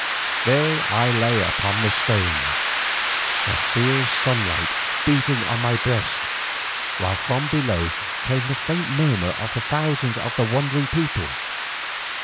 There I lay upon the stone, the fierce sunlight beating on my breast, while from below came the faint murmur of the thousands of the wondering people.